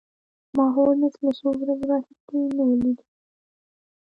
ما هولمز له څو ورځو راهیسې نه و لیدلی